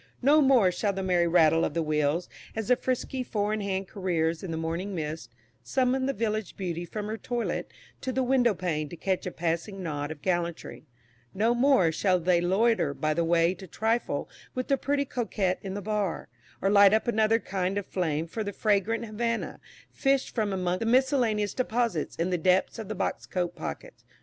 No more shall the merry rattle of the wheels, as the frisky four in hand careers in the morning mist, summon the village beauty from her toilet to the window pane to catch a passing nod of gallantry; no more shall they loiter by the way to trifle with the pretty coquette in the bar, or light up another kind of flame for the fragrant Havannah fished from amongst the miscellaneous deposits in the depths of the box coat pockets.